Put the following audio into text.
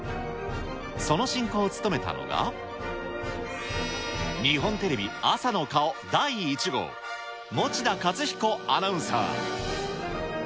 その進行を務めたのが、日本テレビ朝の顔第１号、持田勝彦アナウンサー。